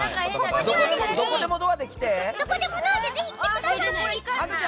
どこでもドアでぜひ、来てください。